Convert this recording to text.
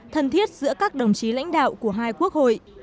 thân thiết giữa các đồng chí lãnh đạo của hai quốc hội